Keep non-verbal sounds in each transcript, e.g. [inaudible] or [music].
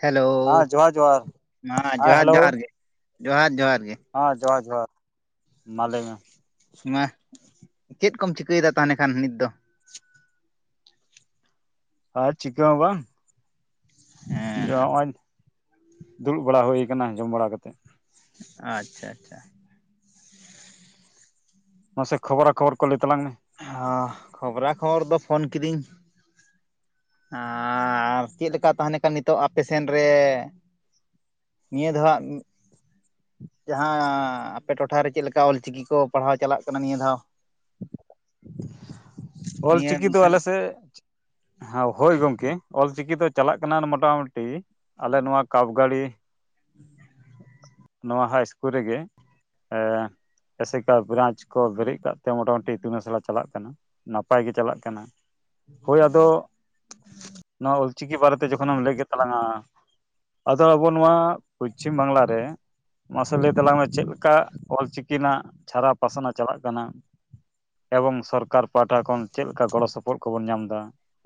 Hello, ᱦᱮᱸ ᱡᱚᱦᱟᱨ ᱡᱚᱦᱟᱨ ᱢᱟ ᱦᱮᱸ ᱡᱚᱦᱟᱨ ᱦᱮᱞᱳ ᱡᱚᱦᱟᱨ ᱜᱮ, ᱡᱚᱦᱟᱨ ᱡᱚᱦᱟᱨ ᱜᱮ᱾ ᱦᱮᱸ ᱡᱚᱦᱟᱨ ᱡᱚᱦᱟᱨ, ᱢᱟ ᱞᱟᱹᱭ ᱢᱮ᱾ ᱢᱟ ᱪᱮᱱ ᱠᱚᱢ ᱪᱤᱠᱟᱹᱭᱮᱫᱟ ᱛᱟᱱᱮ ᱠᱷᱟᱱ ᱱᱤᱛ ᱫᱚ? ᱟᱨ ᱪᱤᱠᱟᱹ ᱦᱚᱸ ᱵᱟᱝ ᱦᱮᱸ ᱡᱚᱸ ᱦᱚᱸᱧ ᱫᱩᱲᱩᱵ ᱵᱟᱲᱟ ᱦᱩᱭ ᱠᱟᱱᱟ, ᱡᱚᱢ ᱵᱟᱲᱟ ᱠᱟᱛᱮᱫ᱾ ᱟᱪᱪᱷᱟ ᱟᱪᱪᱷᱟ᱾ ᱢᱟᱥᱮ ᱠᱷᱚᱵᱽᱨᱟ ᱠᱷᱚᱵᱚᱨ ᱠᱚ ᱞᱟᱹᱭ ᱛᱟᱞᱟᱝ ᱢᱮ᱾ ᱚ ᱠᱷᱚᱵᱽᱨᱟ ᱠᱷᱚᱵᱚᱨ ᱫᱚ ᱯᱷᱳᱱ ᱠᱤᱫᱤᱧ᱾ ᱦᱮᱸ ᱟᱨ ᱪᱮᱫ ᱞᱮᱠᱟ ᱛᱟᱦᱮᱸᱱᱮ ᱱᱤᱛᱚᱜ ᱟᱯᱮ ᱥᱮᱱ ᱨᱮ ᱱᱤᱭᱟᱹ ᱫᱷᱟᱣᱟᱜ ᱡᱟᱦᱟᱸ ᱟᱯᱮ ᱴᱚᱴᱷᱟᱨᱮ ᱪᱮᱫ ᱞᱮᱠᱟ ᱚᱞ ᱪᱤᱠᱤ ᱠᱚ ᱯᱟᱲᱦᱟᱣ ᱪᱟᱞᱟᱜ ᱠᱟᱱᱟ ᱱᱤᱭᱟᱹ ᱫᱷᱟᱣ? ᱚᱞ ᱱᱤᱭᱟᱹ ᱪᱤᱠᱤ ᱫᱚ ᱟᱞᱮ ᱥᱮᱜ ᱦᱮᱸ ᱦᱳᱭ ᱜᱚᱝᱠᱮ ᱚᱞᱪᱤᱠᱤ ᱫᱚ ᱪᱟᱞᱟᱜ ᱠᱟᱱᱟ ᱢᱚᱴᱟ ᱢᱩᱴᱤ ᱟᱞᱮ ᱱᱚᱣᱟ ᱠᱟᱯ ᱜᱟᱹᱲᱤ [unintelligible] ᱱᱚᱣᱟ ᱦᱟᱭ ᱤᱥᱠᱩᱞ ᱨᱮᱜᱮ ᱮ ᱮᱥᱮᱠᱟ ᱵᱨᱟᱧᱪ ᱠᱚ ᱵᱮᱨᱮᱫ ᱠᱟᱜ ᱛᱮ ᱢᱚᱴᱟ ᱢᱩᱴᱤ ᱤᱛᱩᱱ ᱟᱥᱲᱟ ᱪᱟᱞᱟᱜ ᱠᱟᱱᱟ, ᱱᱟᱯᱟᱭ ᱜᱮ ᱪᱟᱞᱟᱜ ᱠᱟᱱᱟ᱾ ᱦᱳᱭ ᱟᱫᱚ ᱱᱚᱣᱟ ᱚᱞᱪᱤᱠᱤ ᱵᱟᱨᱮᱛᱮ ᱡᱚᱠᱷᱚᱱᱮᱢ ᱞᱟᱹᱭ ᱠᱮᱫ ᱛᱟᱞᱟᱝᱟ ᱟᱫᱚ ᱟᱵᱚ ᱱᱚᱣᱟ ᱯᱚᱥᱪᱷᱤᱢ ᱵᱟᱝᱞᱟ ᱨᱮ ᱢᱟᱥᱮ ᱞᱟᱹᱭ ᱛᱟᱞᱟᱝ ᱢᱮ ᱪᱮᱫ ᱞᱮᱠᱟ ᱚᱞᱪᱤᱠᱤ ᱨᱮᱱᱟᱜ ᱪᱷᱟᱨᱟᱣ ᱯᱟᱥᱱᱟᱣ ᱪᱟᱞᱟᱜ ᱠᱟᱱᱟ? ᱮᱵᱚᱝ ᱥᱚᱨᱠᱟᱨ ᱯᱟᱦᱟᱴᱟ ᱠᱷᱚᱱ ᱪᱮᱫ ᱞᱮᱠᱟ ᱜᱚᱲᱚ ᱥᱚᱯᱚᱦᱚᱫ ᱠᱚᱵᱚᱱ ᱧᱟᱢ ᱫᱟ,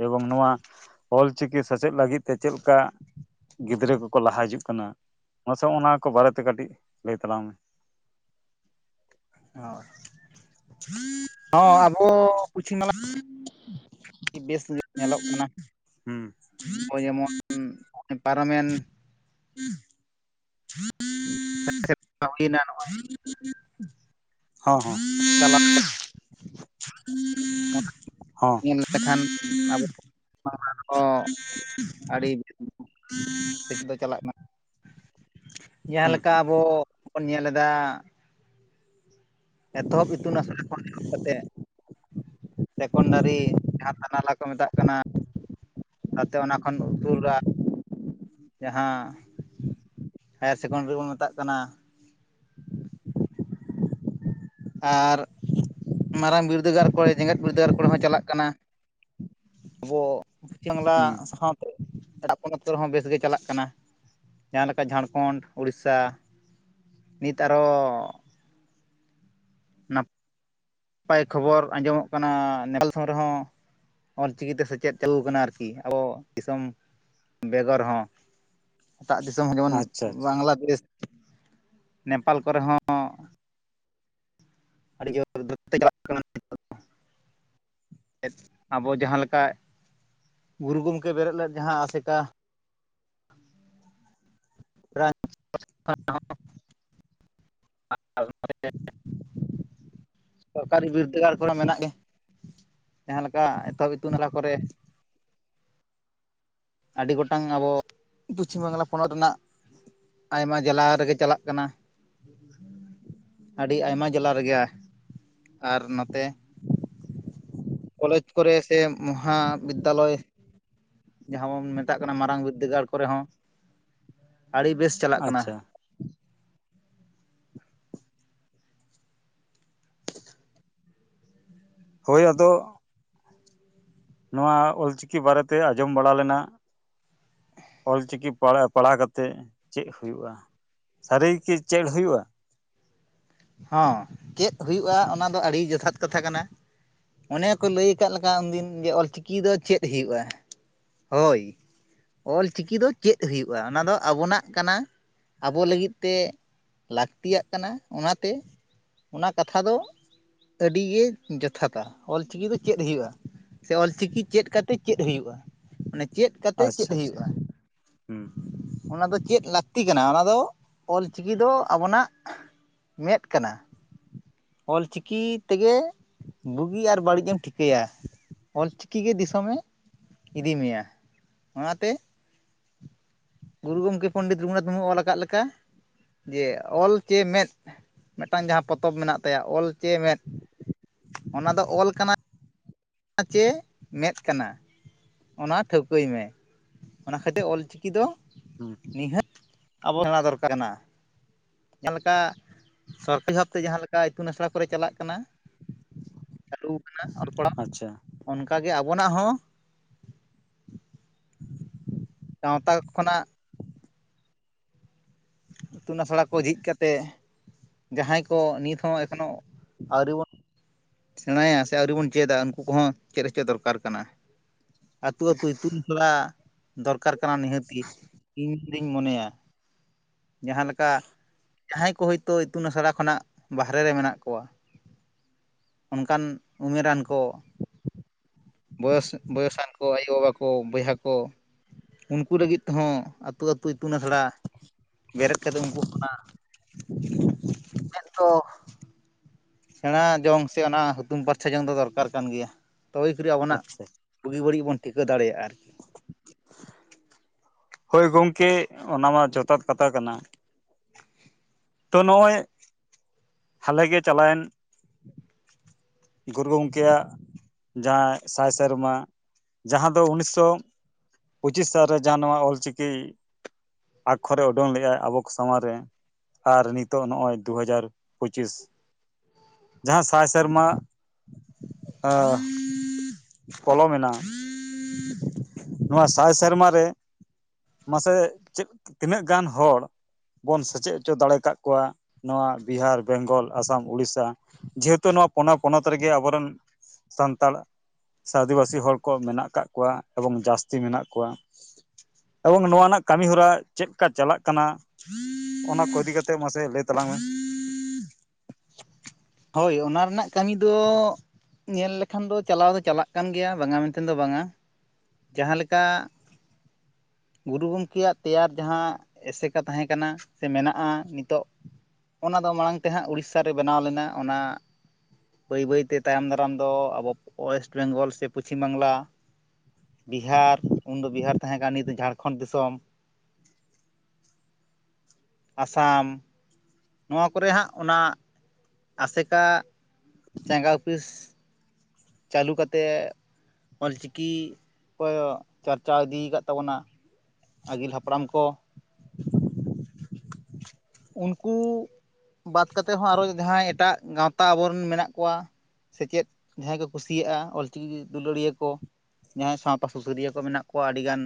ᱮᱵᱚᱝ ᱱᱚᱣᱟ ᱚᱞᱪᱤᱠᱤ ᱥᱮᱪᱮᱫ ᱞᱟᱹᱜᱤᱫ ᱛᱮ ᱪᱮᱫ ᱞᱮᱠᱟ ᱜᱤᱫᱽᱨᱟᱹ ᱠᱚᱠᱚ ᱞᱟᱦᱟ ᱦᱤᱡᱩᱜ ᱠᱟᱱᱟ? ᱢᱟᱥᱮ ᱱᱚᱸ ᱱᱟ ᱠᱚ ᱵᱟᱨᱮᱛᱮ ᱠᱟᱹᱴᱤᱡ ᱞᱟᱹᱭ ᱛᱟᱞᱟᱝ ᱢᱮ᱾ ᱚ ᱦᱚᱸ ᱟᱵᱚ ᱯᱚᱪᱷᱤᱵᱟᱝᱞᱟ [unintelligible] ᱟᱹᱰᱤ ᱵᱮᱥ ᱧᱮᱞᱚᱜ ᱠᱟᱱᱟ ᱦᱩᱸ ᱱᱚᱜᱼᱚᱭ ᱡᱮᱢᱚᱱ ᱯᱟᱨᱚᱢᱮᱱ [unintelligible] [unintelligible] ᱦᱚᱸ ᱦᱚᱸ᱾ [unintelligible] ᱦᱚᱸ᱾ ᱛᱠᱷᱟᱱ ᱟᱵᱚ ᱢᱟ [unintelligible] ᱟᱹᱰᱤ [unintelligible] ᱥᱮᱪᱮᱫ ᱫᱚ ᱪᱟᱞᱟᱜ ᱠᱟᱱᱟ, ᱡᱟᱸᱦᱟ ᱞᱮᱠᱟ ᱦᱩᱸ ᱦᱩᱸ ᱟᱵᱚ ᱵᱚᱱ ᱧᱮᱞ ᱮᱫᱟ ᱮᱛᱚᱦᱚᱵ ᱤᱛᱩᱱ ᱟᱥᱲᱟ ᱠᱷᱚᱱ ᱮᱦᱚᱵ ᱠᱟᱛᱮ ᱥᱮᱠᱚᱱᱰᱟᱨᱤ ᱡᱟᱦᱟᱸ ᱛᱟᱱᱟᱞᱟ ᱠᱚ ᱢᱮᱛᱟᱜ ᱠᱟᱱᱟ ᱛᱟᱛᱮ ᱚᱱᱟ ᱠᱷᱚᱱ ᱩᱥᱩᱞᱟᱜ ᱡᱟᱸᱦᱟ ᱦᱟᱭᱟᱨ ᱥᱮᱠᱚᱱᱰᱟᱨᱤ ᱵᱚᱱ ᱢᱮᱛᱟᱜ ᱠᱟᱱᱟ᱾ ᱟᱨ ᱢᱟᱨᱟᱝ ᱵᱤᱨᱫᱟᱹᱜᱟᱲ ᱠᱚᱨᱮ ᱡᱮᱜᱮᱛ ᱵᱤᱨᱫᱟᱹᱜᱟᱲ ᱠᱚᱨᱮ ᱦᱚᱸ ᱪᱟᱞᱟᱜ ᱠᱟᱱᱟ᱾ ᱟᱵᱚ ᱯᱚᱪᱷᱤᱢ ᱵᱟᱝᱞᱟ ᱦᱩᱸ ᱥᱟᱶᱛᱮ ᱮᱴᱟᱜ ᱯᱚᱱᱚᱛ ᱠᱚᱨᱮ ᱦᱚᱸ ᱵᱮᱥᱜ ᱜᱮ ᱪᱟᱞᱟᱜ ᱠᱟᱱᱟ᱾ ᱡᱟᱦᱟᱸ ᱞᱮᱠᱟ ᱡᱷᱟᱲᱠᱷᱚᱸᱰ ᱩᱲᱤᱥᱥᱟ ᱱᱤᱛ ᱟᱨᱚ ᱱᱟ ᱱᱟᱯᱟᱭ ᱠᱷᱚᱵᱚᱨ ᱟᱸᱡᱚᱢᱚᱜ ᱠᱟᱱᱟ ᱱᱮᱯᱟᱞ ᱥᱮᱱ ᱨᱮᱦᱚᱸ ᱚᱞᱪᱤᱠᱤᱛᱮ ᱥᱮᱪᱮᱫ ᱪᱟᱹᱞᱩ ᱠᱟᱱᱟ ᱟᱨᱠᱤ ᱟᱵᱚ ᱫᱤᱥᱚᱢ ᱵᱮᱜᱚᱨ ᱦᱚᱸ᱾ ᱮᱴᱟᱜ ᱫᱤᱥᱚᱢ ᱦᱚᱸ ᱡᱮᱢᱚᱱ ᱟᱪᱪᱷᱟ ᱟᱪᱪᱷᱟ ᱵᱟᱝᱞᱟᱫᱮᱥ ᱱᱮᱯᱟᱞ ᱠᱚᱨᱮ ᱦᱚᱸ, ᱟᱹᱰᱤ ᱡᱳᱨ [unintelligible] ᱪᱟᱞᱟᱜ ᱠᱟᱱᱟ [unintelligible] [inaudible] ᱟᱵᱚ ᱡᱟᱦᱟᱸ ᱞᱮᱠᱟ ᱜᱩᱨᱩ ᱜᱚᱝᱠᱮ ᱵᱮᱨᱮᱫ ᱞᱮᱫ ᱡᱟᱦᱟᱸ ᱟᱥᱮᱠᱟ [unintelligible] [unintelligible] ᱥᱚᱨᱠᱟᱨᱤ ᱵᱤᱨᱫᱟᱹᱜᱟᱲ ᱠᱚᱨᱮ ᱢᱮᱱᱟᱜ ᱜᱮ ᱡᱟᱦᱟᱸ ᱞᱮᱠᱟ ᱮᱛᱚᱦᱚᱵ ᱤᱛᱩᱱ ᱟᱥᱲᱟ ᱠᱚᱨᱮ ᱟᱹᱰᱤ ᱜᱚᱴᱟᱝ ᱟᱵᱚ ᱯᱚᱪᱷᱤᱢ ᱵᱟᱝᱞᱟ ᱯᱚᱱᱚᱛ ᱨᱮᱱᱟᱜ ᱟᱭᱢᱟ ᱡᱮᱞᱟ ᱨᱮᱜᱮ ᱪᱟᱞᱟᱜ ᱠᱟᱱᱟ᱾ ᱟᱹᱰᱤ ᱟᱭᱢᱟ ᱡᱮᱞᱟ ᱨᱮᱜᱮ ᱟᱨ ᱱᱚᱛᱮ ᱠᱚᱞᱮᱡᱽ ᱠᱚᱨᱮ ᱥᱮ ᱢᱚᱦᱟ ᱵᱤᱫᱽᱫᱟᱞᱚᱭ ᱡᱟᱦᱟᱸ ᱵᱚᱱ ᱢᱮᱛᱟᱜ ᱠᱟᱱᱟ ᱢᱟᱨᱟᱝ ᱵᱤᱫᱽᱫᱟᱹᱜᱟᱲ ᱠᱚᱨᱮ ᱦᱚᱸ ᱟᱹᱰᱤ ᱵᱮᱥ ᱪᱟᱞᱟᱜ ᱠᱟᱱᱟ᱾ ᱟᱪᱪᱷᱟ ᱦᱳᱭ ᱟᱫᱚ ᱱᱚᱣᱟ ᱚᱞ ᱪᱤᱠᱤ ᱵᱟᱨᱮᱛᱮ ᱟᱸᱡᱚᱢ ᱵᱟᱲᱟ ᱞᱮᱱᱟ᱾ ᱚᱞ ᱪᱤᱠᱤ ᱯᱟ ᱯᱟᱲᱦᱟᱣ ᱠᱟᱛᱮᱜ ᱪᱮᱫ ᱦᱩᱭᱩᱜ-ᱟ? ᱥᱟᱹᱨᱤ ᱜᱮᱠᱤ ᱪᱮᱫ ᱦᱩᱭᱩᱜ-ᱟ? ᱦᱚᱸ ᱪᱮᱫ ᱦᱩᱭᱩᱜ-ᱟ, ᱚᱱᱟ ᱫᱚ ᱟᱹᱰᱤ ᱡᱚᱛᱷᱟᱛ ᱠᱟᱛᱷᱟ ᱠᱟᱱᱟ᱾ ᱚᱱᱮ ᱠᱚ ᱞᱟᱹᱭ ᱠᱟᱫ ᱞᱮᱠᱟ, ᱩᱱᱫᱤᱱ ᱡᱮ ᱚᱞ ᱪᱤᱠᱤ ᱫᱚ ᱪᱮᱫ ᱦᱩᱭᱩᱜ-ᱟ? ᱦᱳᱭ ᱚᱞ ᱪᱤᱠᱤ ᱫᱚ ᱪᱮᱫ ᱦᱩᱭᱩᱜ-ᱟ ᱚᱱᱟ ᱫᱚ ᱟᱵᱚᱱᱟᱜ ᱠᱟᱱᱟ, ᱟᱵᱚ ᱞᱟᱹᱜᱤᱫ ᱛᱮ ᱞᱟᱹᱠᱛᱤᱭᱟᱜ ᱠᱟᱱᱟ ᱚᱱᱟ ᱛᱮ ᱚᱱᱟ ᱠᱟᱛᱷᱟ ᱫᱚ ᱟᱹᱰᱤ ᱜᱮ ᱡᱚᱛᱷᱟᱛ-ᱟ, ᱚᱞ ᱪᱤᱠᱤ ᱫᱚ ᱪᱮᱫ ᱦᱩᱭᱩᱜ-ᱟ? ᱥᱮ ᱚᱞ ᱪᱤᱠᱤ ᱪᱮᱫ ᱠᱟᱛᱮ ᱪᱮᱫ ᱦᱩᱭᱩᱜ-ᱟ? ᱪᱮᱫ ᱠᱟᱛᱮ ᱪᱮᱫ ᱟᱪᱪᱷᱟ ᱟᱪᱪᱷᱟ ᱦᱩᱭᱩᱜ-ᱟ? ᱦᱩᱸ ᱚᱱᱟ ᱫᱚ ᱪᱮᱫ ᱞᱟᱹᱠᱛᱤ ᱠᱟᱱᱟ, ᱚᱱᱟ ᱫᱚ ᱚᱞ ᱪᱤᱠᱤ ᱫᱚ ᱟᱵᱚᱱᱟᱜ ᱢᱮᱫ ᱠᱟᱱᱟ᱾ ᱚᱞ ᱪᱤᱠᱤ ᱛᱮᱜᱮ ᱵᱩᱜᱤ ᱟᱨ ᱵᱟᱹᱲᱤᱡᱮᱢ ᱴᱷᱤᱠᱟᱹᱭ-ᱟ᱾ ᱚᱞ ᱪᱤᱠᱤ ᱜᱮ ᱫᱤᱥᱚᱢᱮ ᱤᱫᱤ ᱢᱮᱭᱟ, ᱚᱱᱟᱛᱮ ᱜᱩᱨᱩ ᱜᱚᱝᱠᱮ ᱯᱚᱱᱰᱤᱛ ᱨᱩᱜᱷᱩᱱᱟᱛᱷ ᱢᱩᱨᱢᱩ ᱚᱞ ᱟᱠᱟᱫ ᱞᱮᱠᱟ ᱡᱮ ᱚᱞ ᱪᱮ ᱢᱮᱫ ᱢᱮᱫ ᱴᱟᱝ ᱡᱟᱦᱟᱸ ᱯᱚᱛᱚᱵ ᱢᱮᱱᱟᱜ ᱛᱟᱭᱟ ᱚᱞ ᱪᱮ ᱢᱮᱫ ᱚᱱᱟ ᱫᱚ ᱚᱞ ᱠᱟᱱᱟ᱾ ᱚᱱᱟ ᱪᱮ ᱢᱮᱫ ᱠᱟᱱᱟ᱾ ᱚᱱᱟ ᱴᱷᱟᱹᱣᱠᱟᱹᱭ ᱢᱮ ᱚᱱᱟ ᱠᱷᱟᱹᱛᱤᱨ ᱚᱞ ᱪᱤᱠᱤ ᱫᱚ ᱦᱩᱸ ᱱᱤᱦᱟᱹ ᱟᱵᱚ [unintelligible] ᱠᱟᱱᱟ᱾ ᱡᱟᱦᱟᱸ ᱞᱮᱠᱟ [unintelligible] ᱵᱷᱟᱵᱛᱮ ᱡᱟᱦᱟᱸ ᱞᱮᱠᱟ ᱤᱛᱩᱱ ᱟᱥᱲᱟ ᱠᱚᱨᱮ ᱪᱟᱞᱟᱜ ᱠᱟᱱᱟ᱾ ᱪᱟᱹᱞᱩ ᱠᱟᱱᱟ ᱚᱞ ᱯᱟᱲᱦᱟᱣ᱾ ᱟᱪᱪᱷᱟ ᱚᱱᱠᱟ ᱜᱮ ᱟᱵᱚᱱᱟᱜ ᱦᱚᱸ ᱜᱟᱶᱛᱟ ᱠᱷᱚᱱᱟᱜ ᱤᱛᱩᱱ ᱟᱥᱲᱟ ᱠᱚ ᱡᱷᱤᱡ ᱠᱟᱛᱮᱫ ᱡᱟᱦᱟᱸᱭ ᱠᱚ ᱱᱤᱛ ᱦᱚᱸ ᱮᱠᱷᱚᱱᱳ ᱟᱹᱣᱨᱤ ᱵᱚᱱ ᱥᱮᱬᱟᱭ-ᱟ ᱥᱮ ᱟᱹᱣᱨᱤ ᱵᱚᱱ ᱪᱮᱫᱟ ᱩᱱᱠᱩ ᱠᱚᱦᱚᱸ ᱪᱮᱫ ᱦᱚᱸᱪᱚ ᱫᱚᱨᱠᱟᱨ ᱠᱟᱱᱟ᱾ ᱟᱹᱛᱩ ᱟᱹᱛᱩ ᱤᱛᱩᱱ ᱟᱥᱲᱟ ᱫᱚᱨᱠᱟᱨ ᱠᱟᱱᱟ ᱱᱤᱦᱟᱹᱛ ᱜᱮ᱾ ᱤᱧ ᱫᱩᱧ ᱢᱚᱱᱮᱭ-ᱟ᱾ ᱡᱟᱦᱟᱸ ᱞᱮᱠᱟ ᱡᱟᱦᱟᱸᱭ ᱠᱚ ᱦᱳᱭᱛᱚ ᱤᱛᱩᱱ ᱟᱥᱲᱟ ᱠᱷᱚᱱᱟᱜ ᱵᱟᱦᱨᱮ ᱨᱮ ᱢᱮᱱᱟᱜ ᱠᱚᱣᱟ ᱚᱱᱠᱟᱱ ᱩᱢᱮᱨᱟᱱ ᱠᱚ ᱵᱚᱭᱚᱥ ᱵᱚᱭᱚᱥᱟᱱ ᱠᱚ ᱟᱭᱳ ᱵᱟᱵᱟ ᱠᱚ ᱵᱚᱭᱦᱟ ᱠᱚ ᱩᱱᱠᱩ ᱞᱟᱹᱜᱤᱫ ᱛᱮᱦᱚᱸ ᱟᱹᱛᱩ ᱟᱹᱛᱩ ᱤᱛᱩᱱ ᱟᱥᱲᱟ ᱵᱮᱨᱮᱫ ᱠᱟᱛᱮ ᱩᱱᱠᱩ ᱠᱷᱚᱱᱟᱜ [unintelligible] ᱫᱚ ᱥᱮᱸᱬᱟ ᱡᱚᱝ ᱥᱮ ᱚᱱᱟ ᱦᱩᱛᱩᱢ ᱯᱟᱨᱪᱷᱟ ᱡᱚᱝ ᱫᱚ ᱫᱚᱨᱠᱟᱨ ᱠᱟᱱ ᱜᱮᱭᱟ᱾ ᱛᱚᱵᱮ ᱠᱷᱤᱨᱤ ᱟᱵᱚᱱᱟᱜ ᱟᱪᱪᱷᱟ ᱵᱩᱜᱤ ᱵᱟᱲᱤᱡ ᱵᱚᱱ ᱴᱷᱤᱠᱟᱹ ᱫᱟᱲᱮᱭᱟᱜ-ᱟ ᱟᱨᱠᱤ᱾ ᱦᱳᱭ ᱜᱚᱝᱠᱮ ᱚᱱᱟᱢᱟ ᱡᱚᱛᱷᱟᱛ ᱠᱟᱛᱷᱟ ᱠᱟᱱᱟ᱾ ᱛᱳ ᱱᱚᱜᱚᱭ ᱦᱟᱞᱮᱜᱮ ᱪᱟᱞᱟᱣᱮᱱ ᱜᱩᱨᱩ ᱜᱚᱝᱠᱮᱭᱟᱜ ᱡᱟᱦᱟᱸ ᱥᱟᱭ ᱥᱮᱨᱢᱟ ᱡᱟᱦᱟᱸ ᱫᱚ ᱩᱱᱤᱥᱥᱚ ᱯᱚᱸᱪᱤᱥ ᱥᱟᱞᱨᱮ ᱡᱟᱦᱟᱸ ᱱᱚᱣᱟ ᱚᱞ ᱪᱤᱠᱤ᱾ ᱟᱠᱠᱷᱚᱨᱮ ᱩᱰᱩᱝ ᱞᱮᱜ ᱟᱭ ᱟᱵᱚᱠᱚ ᱥᱟᱢᱟᱝ ᱨᱮ᱾ ᱟᱨ ᱱᱤᱛᱚᱜ ᱱᱚᱜᱼᱚᱭ ᱫᱩ ᱦᱟᱡᱟᱨ ᱯᱩᱪᱤᱥ ᱡᱟᱦᱟᱸ ᱥᱟᱭ ᱥᱮᱨᱢᱟ ᱟ᱾ ᱯᱚᱞᱚᱢᱮᱱᱟ ᱱᱚᱣᱟ ᱥᱟᱭ ᱥᱮᱨᱢᱟ ᱨᱮ ᱢᱟᱥᱮ ᱪᱮᱫ ᱛᱤᱱᱟᱹᱜ ᱜᱟᱱᱦᱚᱲ ᱵᱚᱱ ᱥᱮᱪᱮᱫ ᱦᱚᱪᱚ ᱫᱟᱲᱮᱭ ᱟᱠᱟᱫ ᱠᱚᱣᱟ ᱱᱚᱣᱟ ᱵᱤᱦᱟᱨ, ᱵᱮᱝᱜᱚᱞ, ᱟᱥᱟᱢ, ᱩᱲᱤᱥᱥᱟ᱾ ᱡᱮᱦᱮᱛᱩ ᱱᱚᱣᱟ ᱯᱩᱱᱭᱟ ᱯᱚᱱᱚᱛ ᱨᱮᱜᱮ ᱟᱵᱚᱨᱮᱱ ᱥᱟᱱᱛᱟᱲ ᱥᱮ ᱟᱹᱫᱤᱵᱟᱹᱥᱤ ᱦᱚᱲ ᱠᱚ ᱢᱮᱱᱟᱜ ᱟᱠᱟᱫ ᱠᱚᱣᱟ ᱮᱵᱚᱝ ᱡᱟᱹᱥᱛᱤ ᱢᱮᱱᱟᱜ ᱠᱚᱣᱟ᱾ ᱮᱵᱚᱝ ᱱᱚᱣᱟ ᱨᱮᱱᱟᱜ ᱠᱟᱹᱢᱤ ᱦᱚᱨᱟ ᱪᱮᱜ ᱠᱟ ᱪᱟᱞᱟᱜ ᱠᱟᱱᱟ᱾ ᱚᱱᱟ ᱠᱚ ᱤᱫᱤ ᱠᱟᱛᱮᱜ ᱢᱟᱥᱮ ᱞᱟᱹᱭ ᱛᱟᱞᱟᱝ ᱢᱮ᱾ ᱦᱳᱭ ᱚᱱᱟ ᱨᱮᱱᱟᱜ ᱠᱟᱹᱢᱤ ᱫᱚ ᱧᱮᱞ ᱞᱮᱠᱷᱟᱱ ᱫᱚ ᱪᱟᱞᱟᱣ ᱫᱚ ᱪᱟᱞᱟᱜ ᱠᱟᱱ ᱜᱮᱭᱟ ᱵᱟᱝᱟ ᱢᱮᱱᱛᱮᱱ ᱫᱚ ᱵᱟᱝᱟ᱾ ᱡᱟᱦᱟᱸ ᱞᱮᱠᱟ ᱜᱩᱨᱩ ᱜᱚᱝᱠᱮᱭᱟᱜ ᱛᱮᱭᱟᱨ ᱡᱟᱦᱟᱸ ᱮᱥᱮᱠᱟ ᱛᱟᱦᱮᱸ ᱠᱟᱱᱟ ᱥᱮ ᱢᱮᱱᱟᱜᱼᱟ ᱱᱤᱛᱚᱜ᱾ ᱚᱱᱟ ᱫᱚ ᱢᱟᱲᱟᱝᱛᱮ ᱦᱟᱸᱜ ᱩᱲᱤᱥᱥᱟᱨᱮ ᱵᱮᱱᱟᱣ ᱞᱮᱱᱟ, ᱚᱱᱟ ᱵᱟᱹᱭ ᱵᱟᱹᱭᱛᱮ ᱛᱟᱭᱚᱢ ᱫᱟᱨᱟᱢ ᱫᱚ ᱟᱵᱚ ᱚᱭᱮᱥᱴ ᱵᱮᱝᱜᱚᱞ ᱥᱮ ᱯᱚᱪᱷᱤᱢ ᱵᱟᱝᱞᱟ᱾ ᱵᱤᱦᱟᱨ ᱩᱱᱫᱚ ᱵᱤᱦᱟᱨ ᱛᱟᱦᱮᱸ ᱠᱟᱱ ᱱᱤᱛ ᱫᱚ ᱡᱷᱟᱲᱠᱷᱚᱸᱰ ᱫᱤᱥᱚᱢ᱾ ᱟᱥᱟᱢ᱾ ᱱᱚᱣᱟ ᱠᱚᱨᱮ ᱦᱟᱸᱜ ᱚᱱᱟ ᱟᱥᱮᱠᱟ ᱪᱟᱸᱜᱟ ᱳᱯᱷᱤᱥ᱾ ᱪᱟᱹᱞᱩ ᱠᱟᱛᱮᱜ ᱚᱞ ᱪᱤᱠᱤ ᱠᱚ ᱪᱟᱨᱪᱟᱣ ᱤᱫᱤᱭᱠᱟᱫ ᱛᱟᱵᱚᱱᱟ᱾ ᱟᱹᱜᱤᱞ ᱦᱟᱯᱲᱟᱢ ᱠᱚ ᱩᱱᱠᱩ ᱵᱟᱫ ᱠᱟᱛᱮᱜ ᱦᱚᱸ ᱟᱨᱚ ᱡᱟᱦᱟᱸᱭ ᱮᱴᱟᱜ ᱜᱟᱶᱛᱟ ᱟᱵᱚᱨᱮᱱ ᱢᱮᱱᱟᱜ ᱠᱚᱣᱟ ᱥᱮᱪᱮᱫ ᱡᱟᱦᱟᱸᱭ ᱠᱚ ᱠᱩᱥᱤᱭᱟᱜᱼᱟ ᱚᱞ ᱪᱤᱠᱤᱠᱤ ᱫᱩᱞᱟᱹᱲᱤᱭᱟᱹ ᱠᱚ᱾ ᱡᱟᱦᱟᱸᱭ ᱥᱟᱶᱛᱟ ᱥᱩᱥᱟᱹᱨᱤᱭᱟᱹ ᱠᱚ ᱢᱮᱱᱟᱜ ᱠᱚᱣᱟ ᱟᱹᱰᱤᱜᱟᱱ᱾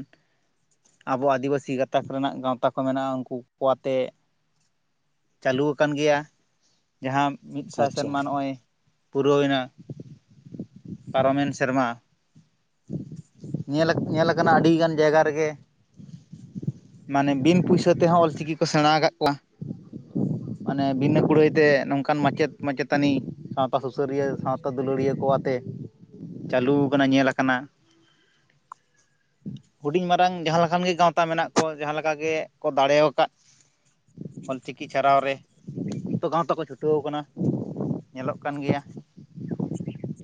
ᱟᱵᱚ ᱟᱹᱫᱤᱵᱟᱹᱥᱤ ᱜᱟᱛᱟᱠ ᱨᱮᱱᱟᱜ ᱜᱟᱶᱛᱟ ᱠᱚ ᱢᱮᱱᱟᱜᱼᱟ ᱩᱱᱠᱩᱠᱚ ᱣᱟᱛᱮᱜ ᱪᱟᱹᱞᱩ ᱣᱟᱠᱟᱱ ᱜᱮᱭᱟ ᱡᱟᱦᱟᱸ ᱢᱤᱫ ᱥᱟᱭ ᱟᱪᱪᱷᱟ ᱥᱮᱨᱢᱟ ᱱᱚᱜ-ᱚᱭ ᱯᱩᱨᱟᱹᱣᱭᱮᱱᱟ ᱯᱟᱨᱚᱢᱮᱱ ᱥᱮᱨᱢᱟ᱾ ᱧᱮᱞ ᱧᱮᱞᱟᱠᱟᱱᱟ ᱟᱹᱰᱤᱜᱟᱱ ᱡᱟᱭᱜᱟ ᱨᱮᱜᱮ ᱢᱟᱱᱮ ᱵᱤᱱ ᱯᱩᱭᱥᱟᱹ ᱛᱮᱦᱚᱸ ᱚᱞ ᱪᱤᱠᱤ ᱠᱚ ᱥᱮᱬᱟᱸ ᱟᱠᱟᱜ ᱠᱚᱣᱟ᱾ ᱢᱟᱱᱮ ᱵᱤᱱᱟᱹ ᱠᱩᱲᱟᱹᱭᱛᱮ ᱱᱚᱝᱠᱟᱱ ᱢᱟᱪᱮᱫ ᱢᱟᱪᱮᱛᱟᱹᱱᱤ ᱥᱟᱶᱛᱟ ᱥᱩᱥᱟᱹᱨᱤᱭᱟᱹ ᱥᱟᱸᱶᱛᱮ ᱛᱟ ᱫᱩᱞᱟᱹᱲᱤᱭᱟᱹ ᱠᱚᱣᱟᱛᱮ ᱪᱟᱹᱞᱩ ᱟᱠᱟᱱᱟ ᱧᱮᱞ ᱟᱠᱟᱱᱟ᱾ ᱦᱩᱰᱤᱧ ᱢᱟᱨᱟᱝ ᱡᱟᱦᱟᱸ ᱞᱮᱠᱟᱱ ᱜᱮ ᱜᱟᱶᱛᱟ ᱢᱮᱱᱟᱜ ᱠᱚ᱾ ᱡᱟᱦᱟᱸ ᱞᱮᱠᱟ ᱜᱮ ᱠᱚ ᱫᱟᱲᱮᱣ ᱟᱠᱟᱫ᱾ ᱚᱞ ᱪᱤᱠᱤ ᱪᱷᱟᱨᱟᱣ ᱨᱮ ᱛᱚ ᱜᱟᱸᱶᱛᱟ ᱠᱚ ᱪᱷᱩᱴᱟᱹᱣ ᱠᱟᱱᱟ᱾ ᱧᱮᱞᱚᱜ ᱠᱟᱱ ᱜᱮᱭᱟ᱾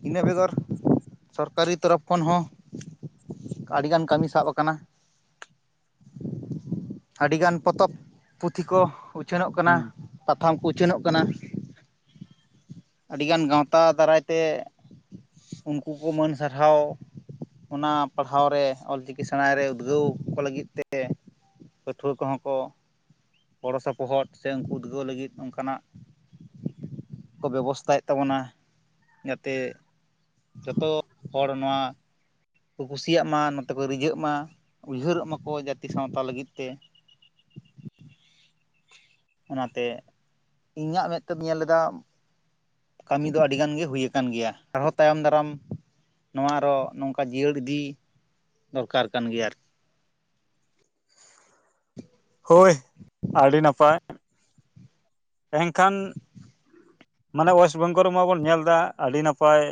ᱤᱱᱟᱹ ᱵᱮᱜᱚᱨ ᱥᱚᱨᱠᱟᱨᱤ ᱛᱚᱨᱚᱯᱷ ᱠᱷᱚᱱ ᱦᱚᱸ ᱟᱹᱰᱤᱜᱟᱱ ᱠᱟᱹᱢᱤ ᱥᱟᱵ ᱟᱠᱟᱱᱟ, ᱟᱹᱰᱤᱜᱟᱱ ᱯᱚᱛᱚᱵ ᱯᱩᱛᱷᱤ ᱠᱚ ᱩᱪᱷᱟᱹᱱᱚᱜ ᱠᱟᱱᱟ, ᱦᱩᱸ ᱯᱟᱛᱷᱟᱢ ᱠᱚ ᱩᱪᱷᱟᱹᱱᱚᱜ ᱠᱟᱱᱟ᱾᱾ ᱟᱹᱰᱤᱜᱟᱱ ᱜᱟᱶᱛᱟ ᱫᱟᱨᱟᱭᱛᱮ ᱩᱱᱠᱩ ᱠᱚ ᱢᱟᱹᱱ ᱥᱟᱨᱦᱟᱣ ᱚᱱᱟ ᱯᱟᱲᱦᱟᱣ ᱨᱮ ᱚᱞᱪᱤᱠᱤ ᱥᱮᱬᱟᱸᱭ ᱨᱮ ᱩᱫᱽᱜᱟᱹᱣ ᱠᱚ ᱞᱟᱹᱜᱤᱫ ᱛᱮ ᱯᱟᱹᱴᱷᱩᱣᱟᱹ ᱠᱚᱦᱚᱸ ᱠᱚ ᱜᱚᱲᱚ ᱥᱚᱯᱚᱦᱚᱫ ᱥᱮ ᱩᱱᱠᱩ ᱠᱚ ᱩᱫᱽᱜᱟᱹᱣ ᱞᱟᱹᱜᱤᱫ ᱚᱱᱠᱟᱱᱟᱜ ᱠᱚ ᱵᱮᱵᱚᱥᱛᱟ ᱭᱮᱫ ᱛᱟᱵᱚᱱᱟ ᱡᱟᱛᱮ ᱡᱚᱛᱚ ᱦᱚᱲ ᱱᱚᱶᱟ ᱠᱚ ᱠᱩᱥᱤᱭᱟᱜ ᱢᱟ ᱱᱚᱛᱮ ᱠᱚ ᱨᱤᱡᱷᱟᱹᱜ ᱢᱟ ᱩᱭᱦᱟᱹᱨᱚᱜ ᱢᱟᱠᱚ ᱡᱟᱹᱛᱤ ᱥᱟᱶᱛᱟ ᱞᱟᱹᱜᱤᱫ ᱛᱮ᱾ ᱚᱱᱟᱛᱮ ᱤᱧᱟᱹᱜ ᱢᱮᱫᱛᱮᱧ ᱧᱮᱞ ᱞᱮᱫᱟ ᱠᱟᱹᱢᱤ ᱫᱚ ᱟᱹᱰᱤᱜᱟᱱ ᱜᱮ ᱦᱩᱭ ᱟᱠᱟᱱ ᱜᱮᱭᱟ ᱟᱨᱦᱚᱸ ᱛᱟᱭᱚᱢ ᱫᱟᱨᱟᱢ ᱱᱚᱣᱟ ᱟᱨᱚ ᱱᱚᱝᱠᱟ ᱡᱤᱭᱟᱹᱲ ᱤᱫᱤ ᱫᱚᱨᱠᱟᱨ ᱠᱟᱱ ᱜᱮᱭᱟ ᱟᱨ ᱦᱳᱭ ᱟᱹᱰᱤ ᱱᱟᱯᱟᱭ ᱮᱱᱠᱷᱟᱱ ᱢᱟᱱᱮ ᱚᱭᱮᱥᱴ ᱵᱮᱝᱜᱚᱞ ᱨᱮᱢᱟ ᱵᱚᱱ ᱧᱮᱞ ᱮᱫᱟ ᱟᱹᱰᱤ ᱱᱟᱯᱟᱭ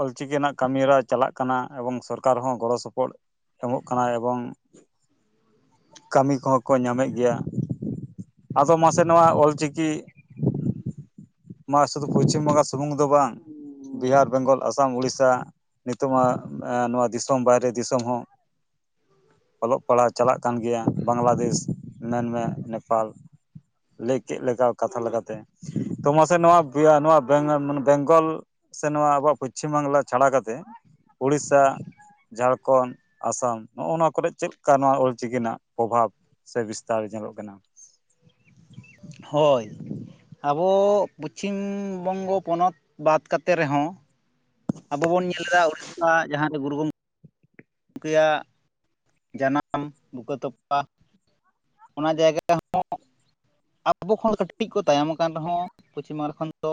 ᱚᱞ ᱪᱤᱠᱤ ᱨᱮᱱᱟᱜ ᱠᱟᱹᱢᱤ ᱦᱚᱨᱟ ᱪᱟᱞᱟᱜ ᱠᱟᱱᱟ ᱮᱵᱚᱝ ᱥᱚᱨᱠᱟᱨ ᱦᱚᱸ ᱜᱚᱲᱚ ᱥᱚᱯᱚᱦᱚᱫ ᱮᱢᱚᱜ ᱠᱟᱱᱟ ᱮᱵᱚᱝ ᱠᱟᱹᱢᱤ ᱠᱚᱦᱚᱸ ᱠᱚ ᱧᱟᱢᱮᱫ ᱜᱮᱭᱟ ᱟᱫᱚ ᱢᱟᱥᱮ ᱱᱚᱣᱟ ᱚᱞ ᱪᱤᱠᱤ ᱢᱟ ᱥᱩᱫᱷᱩ ᱯᱚᱥᱪᱷᱤᱢ ᱵᱚᱸᱜᱟ ᱥᱩᱢᱩᱝ ᱫᱚ ᱵᱟᱝ ᱵᱤᱦᱟᱨ ᱵᱮᱝᱜᱚᱞ ᱟᱥᱟᱢ ᱩᱳᱲᱤᱥᱥᱟ, ᱱᱤᱛᱚᱜ ᱢᱟ ᱱᱚᱣᱟ ᱫᱤᱥᱚᱢ ᱵᱟᱭᱨᱮ ᱫᱤᱥᱚᱢ ᱦᱚᱸ ᱚᱞᱚᱜ ᱯᱟᱲᱦᱟᱜ ᱪᱟᱞᱟᱜ ᱠᱟᱱ ᱜᱮᱭᱟ, ᱵᱟᱝᱞᱟᱫᱮᱥ ᱢᱮᱱᱢᱮ ᱱᱮᱯᱟᱞ ᱞᱮᱟᱹᱭ ᱠᱮᱫ ᱞᱮᱠᱟ ᱠᱟᱛᱷᱟ ᱞᱮᱠᱟᱛᱮ, ᱛᱚ ᱢᱟᱥᱮ ᱱᱚᱣᱟ ᱱᱚᱣᱟ ᱵᱮᱝᱜᱚᱞ ᱥᱮ ᱱᱚᱣᱟ ᱟᱵᱚᱣᱟᱜ ᱯᱚᱪᱷᱤᱢ ᱵᱟᱝᱞᱟ ᱪᱷᱟᱲᱟ ᱠᱟᱛᱮ ᱳᱲᱤᱥᱥᱟ ᱡᱷᱟᱲᱠᱷᱚᱸᱰ ᱟᱥᱟᱢ ᱱᱚᱜᱼᱚ ᱱᱚᱣᱟ ᱠᱚᱨ ᱪᱮᱫᱠᱟ ᱱᱚᱣᱟ ᱚᱞᱪᱤᱠᱤ ᱨᱮᱱᱟᱜ ᱯᱨᱚᱵᱷᱟᱵᱽ? ᱥᱮ ᱵᱤᱥᱛᱟᱨ ᱧᱮᱞᱚᱜ ᱠᱟᱱᱟ᱾ ᱦᱳᱭ ᱟᱵᱚ ᱯᱚᱪᱷᱤᱢ ᱵᱚᱝᱜᱚ ᱯᱚᱱᱚᱛ ᱵᱟᱫ ᱠᱟ ᱠᱟᱛᱮᱫ ᱨᱮᱦᱚᱸ ᱟᱵᱚ ᱵᱚᱱ ᱧᱮᱞ ᱮᱫᱟ ᱩᱲᱤᱥᱟ ᱡᱟᱦᱟᱸᱨᱮ ᱜᱩᱨᱩ ᱜᱚᱢᱠᱮ ᱩᱱᱠᱮᱭᱟᱜ ᱡᱟᱱᱟᱢ ᱵᱩᱠᱟᱹ ᱛᱚᱯᱟ ᱚᱱᱟ ᱡᱟᱭᱜᱟ ᱦᱚᱸ ᱟᱵᱚ ᱠᱷᱚᱱ ᱠᱟᱹᱴᱤᱡ ᱠᱚ ᱛᱟᱭᱚᱢ ᱟᱠᱟᱱ ᱨᱮᱦᱚᱸ, ᱯᱚᱪᱷᱤᱢ ᱵᱟᱝᱞᱟ ᱠᱷᱚᱱ ᱫᱚ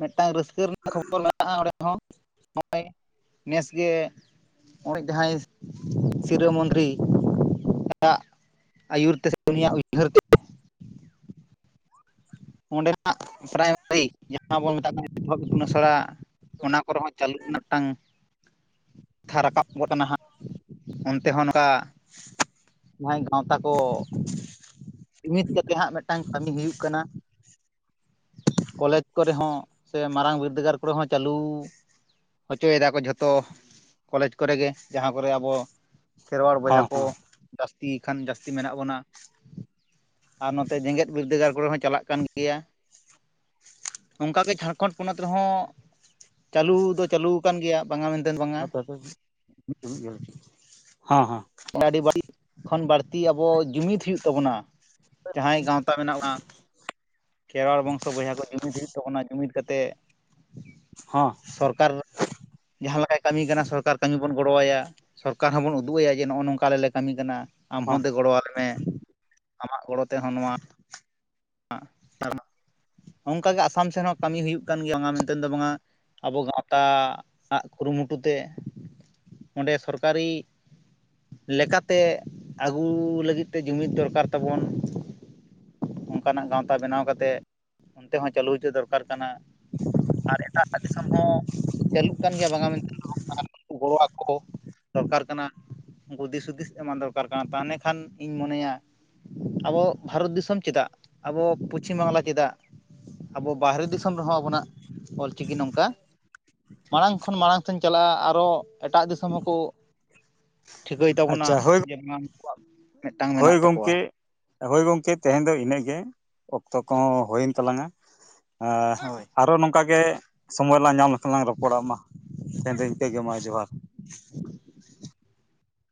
ᱢᱤᱫᱴᱟᱝ ᱨᱟᱹᱥᱠᱟᱹ ᱨᱮᱱᱟᱜ ᱠᱷᱚᱵᱚᱨ ᱢᱮᱱᱟᱜᱼᱟ ᱚᱸᱰᱮ ᱦᱚᱸ ᱱᱚᱜᱼᱚᱭ ᱱᱮᱥᱜᱮ ᱱᱚᱜᱼᱚᱭ ᱡᱟᱦᱟᱸᱭ ᱥᱤᱨᱟᱹ ᱢᱚᱱᱫᱨᱤ ᱮᱟᱜ ᱟᱹᱭᱩᱨ ᱛᱮ ᱥᱮ ᱩᱱᱤᱭᱟᱜ ᱩᱭᱦᱟᱹᱨ ᱛᱮ ᱚᱸᱰᱮᱱᱟᱜ ᱯᱨᱟᱭᱢᱟᱨᱤ ᱡᱟᱦᱟᱸ ᱵᱚᱱ ᱢᱮᱛᱟᱜ ᱠᱟᱱᱟ ᱚᱛ ᱤᱛᱩᱱ ᱟᱥᱲᱟ ᱚᱱᱟ ᱠᱚᱨᱮ ᱦᱚᱸ ᱪᱟᱹᱞᱩ ᱨᱮᱱᱟ ᱜᱴᱟᱝ ᱠᱟᱛᱷᱟ ᱨᱟᱠᱟᱵ ᱜᱚᱫ ᱠᱟᱱᱟ ᱦᱟᱸᱜ ᱚᱱᱛᱮ ᱦᱚᱸ ᱱᱚᱝᱠᱟ ᱡᱟᱦᱟᱸᱭ ᱜᱟᱶᱛᱟ ᱠᱚ ᱢᱤᱫ ᱠᱟᱛᱮ ᱦᱟᱸᱜ ᱢᱤᱫᱴᱟᱝ ᱠᱟᱹᱢᱤ ᱦᱩᱭᱩᱜ ᱠᱟᱱᱟ᱾ ᱠᱚᱞᱮᱡᱽ ᱠᱚᱨᱮ ᱦᱚᱸ ᱥᱮ ᱢᱟᱨᱟᱝ ᱵᱤᱨᱫᱟᱹᱜᱟᱲ ᱠᱚᱨᱮ ᱦᱚᱸ ᱪᱟᱹᱞᱩ ᱦᱚᱪᱚᱭᱮᱫᱟ ᱠᱚ ᱡᱷᱚᱛᱚ ᱠᱚᱞᱮᱡᱽ ᱠᱚᱨᱮᱜ ᱜᱮ ᱡᱟᱦᱟᱸ ᱠᱚᱨᱮ ᱟᱵᱚ ᱠᱷᱮᱨᱣᱟᱲ ᱵᱚᱭᱦᱟ ᱦᱚᱸ ᱠᱚ ᱡᱟᱹᱥᱛᱤ ᱠᱷᱟᱱ ᱡᱟᱹᱥᱛᱤ ᱢᱮᱱᱟᱜ ᱵᱚᱱᱟ᱾ ᱟᱨ ᱱᱚᱛᱮ ᱡᱮᱜᱮᱛ ᱵᱤᱨᱫᱟᱹᱜᱟᱲ ᱠᱚᱨᱮ ᱦᱚᱸ ᱪᱟᱞᱟᱜ ᱠᱟᱱ ᱜᱮᱭᱟ᱾ ᱝᱠᱟᱜ ᱜᱮ ᱡᱷᱟᱲᱠᱷᱚᱸᱰ ᱯᱚᱱᱚᱛ ᱨᱮᱦᱚᱸ ᱪᱟᱹᱞᱩ ᱫᱚ ᱪᱟᱹᱞᱩᱠᱟᱱ ᱜᱮᱭᱟ, ᱵᱟᱝᱟ ᱢᱮᱱᱛᱮᱫ ᱵᱟᱝᱟ ᱟ [unintelligible] ᱜᱮᱭᱟ ᱟᱨᱠᱤ ᱦᱮᱸ ᱦᱮ ᱟᱹᱰᱤ ᱵᱟᱹᱲᱤᱡ ᱠᱷᱚᱱ ᱵᱟᱹᱲᱛᱤ ᱟᱵᱚ ᱡᱩᱢᱤᱫ ᱦᱩᱭᱩᱜ ᱛᱟᱵᱚᱱᱟ ᱡᱟᱦᱟᱸᱭ ᱜᱟᱶᱛᱟ ᱢᱮᱱᱟᱜᱼᱟ᱾ ᱠᱷᱮᱨᱣᱟᱲ ᱵᱚᱝᱥᱚ ᱵᱚᱭᱦᱟ ᱠᱚ ᱡᱩᱢᱤᱫ ᱦᱩᱭᱩᱜ ᱛᱟᱵᱚᱱᱟ ᱡᱩᱢᱤᱫ ᱠᱟᱛᱮᱜ ᱦᱟ ᱥᱚᱨᱠᱟᱨ ᱡᱟᱦᱟᱸ ᱞᱮᱠᱟᱭ ᱠᱟᱹᱢᱤ ᱠᱟᱱᱟ, ᱥᱚᱨᱠᱟᱨ ᱠᱟᱹᱢᱤ ᱵᱚᱱ ᱜᱚᱲᱚ ᱟᱭᱟ᱾ ᱥᱚᱨᱠᱟᱨ ᱦᱚᱸᱵᱚᱱ ᱩᱫᱩᱜ ᱟᱭᱟ ᱡᱮ ᱱᱚᱜᱼᱚ ᱱᱚᱝᱠᱟ ᱟᱞᱮ ᱞᱮ ᱠᱟᱹᱢᱤ ᱠᱟᱱᱟ᱾ ᱟᱢ ᱦᱚᱸ ᱫᱮ ᱜᱚᱲᱚ ᱟᱞᱮᱢᱮ ᱟᱢᱟᱜ ᱜᱚᱲᱚ ᱛᱮᱦᱚᱸ ᱱᱚᱣᱟ [inaudible] ᱚᱱᱠᱟᱜᱮ ᱟᱥᱟᱢ ᱥᱮᱱ ᱦᱚᱸ ᱠᱟᱹᱢᱤ ᱦᱩᱭᱩᱜ ᱠᱟᱱ ᱜᱮᱭᱟ ᱚᱱᱟ ᱢᱮᱱᱛᱮ ᱫᱚ ᱵᱟᱝᱼᱟ ᱾ ᱟᱵᱚ ᱜᱟᱶᱛᱟ-ᱟᱜ ᱠᱩᱨᱩᱢᱩᱴᱩᱛᱮ ᱚᱸᱰᱮ ᱥᱚᱨᱠᱟᱨᱤ ᱞᱮᱠᱟᱛᱮ ᱟᱹᱜᱩ ᱞᱟᱹᱜᱤᱫ ᱛᱮ ᱡᱩᱢᱤᱫ ᱫᱚᱨᱠᱟᱨ ᱛᱟᱵᱚᱱ ᱾ ᱚᱱᱠᱟᱱᱟᱜ ᱜᱟᱶᱛᱟ ᱵᱮᱱᱟᱣ ᱠᱟᱛᱮ ᱚᱱᱛᱮ ᱦᱚᱸ ᱪᱟᱹᱞᱩ ᱦᱚᱪᱚ ᱫᱚᱨ ᱠᱟᱨ ᱠᱟᱱᱟ ᱟᱨ ᱮᱴᱟᱜ ᱮᱴᱟᱜ ᱫᱤᱥᱚᱢ ᱦᱚᱸ ᱪᱟᱹᱞᱩᱜ ᱠᱟᱱ ᱜᱮᱭᱟ ᱵᱟᱝᱟ ᱢᱮᱱᱛᱮ [inaudible] ᱜᱚᱲᱚ ᱟᱠᱚ ᱫᱚᱨᱠᱟᱨ ᱠᱟᱱᱟ ᱾ ᱵᱩᱫᱤ ᱦᱩᱫᱤᱥ ᱮᱢᱟᱱ ᱫᱚᱨᱠᱟᱨ ᱠᱟᱱᱟ ᱛᱟᱱᱦᱮ ᱠᱷᱟᱱ ᱤᱧ ᱢᱚᱱᱮᱭᱟ ᱟᱵᱚ ᱵᱷᱟᱨᱚᱛ ᱫᱤᱥᱚᱢ ᱪᱮᱫᱟᱜ ᱟᱵᱚ ᱯᱚᱪᱷᱤᱢ ᱵᱟᱝᱞᱟ ᱪᱮᱫᱟᱜ ᱾ ᱟᱵᱚ ᱵᱟᱦᱨᱮ ᱫᱤᱥᱚᱢ ᱨᱮᱦᱚᱸ ᱟᱵᱚᱱᱟᱜ ᱚᱞᱪᱤᱠᱤ ᱱᱚᱝᱠᱟ ᱾ ᱢᱟᱲᱟᱝ ᱠᱷᱚᱱ ᱢᱟᱲᱟᱝ ᱛᱮᱧ ᱪᱟᱞᱟᱜ-ᱟ ᱟᱨᱚ ᱮᱴᱟᱜ ᱫᱤᱥᱚᱢ ᱦᱚᱸᱠᱚ ᱾ ᱴᱷᱤᱠᱟᱹᱭ ᱛᱟᱵᱚᱱᱟ ᱟᱪᱪᱷᱟ ᱦᱳᱭ [unintelligible] ᱢᱤᱫᱴᱟᱝ ᱦᱳᱭ ᱢᱮᱱᱟᱜ ᱛᱟᱠᱚᱣᱟ ᱜᱚᱢᱠᱮ ᱾ ᱦᱳᱭ ᱜᱚᱢᱠᱮ ᱛᱮᱦᱮᱧ ᱫᱚ ᱤᱱᱟᱹᱜ ᱜᱮ ᱚᱠᱛᱚ ᱠᱚᱦᱚᱸ ᱦᱩᱭᱮᱱ ᱛᱟᱞᱟᱝᱟ ᱾ ᱦᱮᱸ ᱦᱳᱭ ᱟᱨᱚ ᱱᱚᱝᱠᱟ ᱜᱮ ᱾ ᱥᱚᱢᱚᱭ ᱞᱟᱝ ᱧᱟᱢ ᱞᱮᱠᱷᱟᱱ ᱞᱟᱝ ᱨᱚᱯᱚᱲ ᱟ ᱢᱟ ᱛᱮᱦᱮᱧ ᱫᱚ ᱤᱱᱠᱟᱹᱜᱮ ᱢᱟ ᱡᱚᱦᱟᱨ ᱾